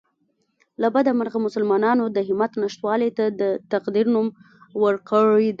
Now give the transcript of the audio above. له بده مرغه مسلمانانو د همت نشتوالي ته د تقدیر نوم ورکړی دی